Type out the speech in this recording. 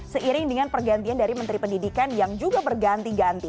seiring dengan pergantian dari menteri pendidikan yang juga berganti ganti